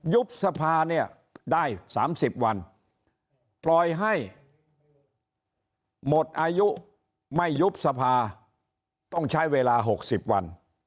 สภาเนี่ยได้๓๐วันปล่อยให้หมดอายุไม่ยุบสภาต้องใช้เวลา๖๐วัน